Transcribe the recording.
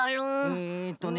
えっとね